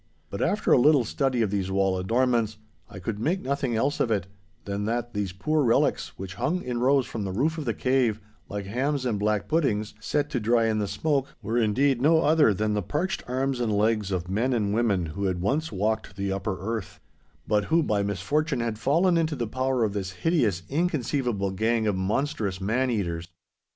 But after a little study of these wall adornments, I could make nothing else of it, than that these poor relics, which hung in rows from the roof of the cave like hams and black puddings set to dry in the smoke, were indeed no other than the parched arms and legs of men and women who had once walked the upper earth—but who by misfortune had fallen into the power of this hideous, inconceivable gang of monstrous man eaters.